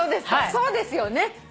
そうですよね！